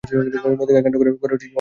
নদীকে কেন্দ্র করে গড়ে উঠেছে অনেক জনপদ।